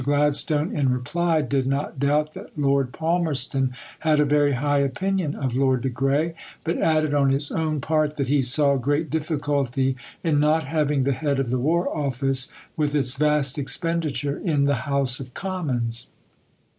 Gladstone, in reply, did not doubt that Lord Palmerston had a very high opinion of Lord de Grey, but added on his own part that he saw great difficulty in not having the head of the War Office, with its vast expenditure, in the House of Commons.